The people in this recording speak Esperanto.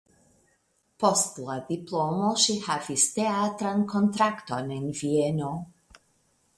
Post la diplomo ŝi havis teatran kontrakton en Vieno.